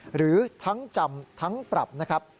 หรือทั้งจำทั้งปรับนะครับ